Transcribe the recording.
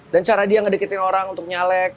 dan cara dia ngedeketin orang untuk nyalek